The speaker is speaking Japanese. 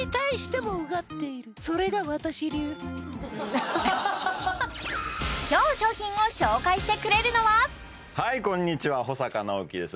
アハハッ今日商品を紹介してくれるのははいこんにちは保阪尚希です